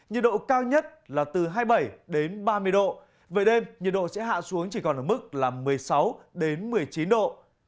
nhiệt độ cao nhất là từ hai mươi bảy đến ba mươi độ về đêm nhiệt độ sẽ hạ xuống chỉ còn ở mức là một mươi sáu một mươi chín độ